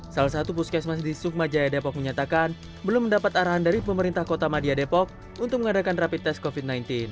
salah satu puskesmas di sukma jaya depok menyatakan belum mendapat arahan dari pemerintah kota madia depok untuk mengadakan rapid test covid sembilan belas